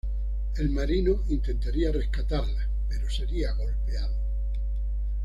El marino intentaría rescatarla pero sería golpeado.